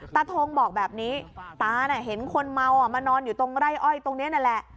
ทงบอกแบบนี้ตาน่ะเห็นคนเมามานอนอยู่ตรงไร่อ้อยตรงนี้นั่นแหละ